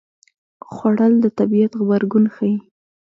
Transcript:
خوړل د طبیعت غبرګون ښيي